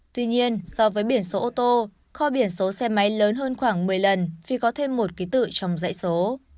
tuy nhiên so với biển số ô tô kho biển số xe máy lớn hơn khoảng một mươi lần vì có thêm một ký tự trong dạy số